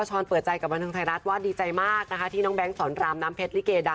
สอนรํนน้ำเพชรลิเก